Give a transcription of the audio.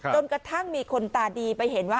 จนกระทั่งมีคนตาดีไปเห็นว่า